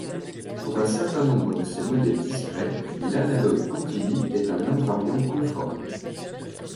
Pour un certain nombre de ces modèles discrets, l'analogue continu est un invariant conforme.